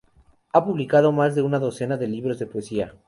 Ha publicado más de una decena de libros de poesía.